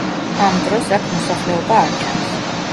ამ დროს აქ მოსახლეობა არ ჩანს.